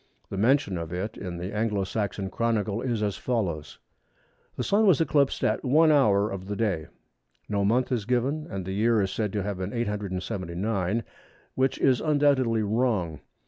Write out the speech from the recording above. The mention of it in the Anglo Saxon Chronicle is as follows:—"The Sun was eclipsed at 1 hour of the day." No month is given, and the year is said to have been 879, which is undoubtedly wrong.